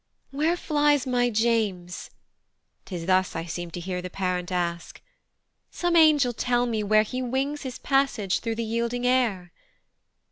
"Where flies my James?" 'tis thus I seem to hear The parent ask, "Some angel tell me where "He wings his passage thro' the yielding air?"